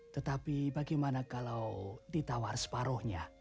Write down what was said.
tetapi bagaimana kalau ditawar separuhnya